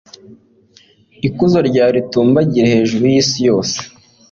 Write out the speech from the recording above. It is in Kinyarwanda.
ikuzo ryawe ritumbagire hejuru y’isi yose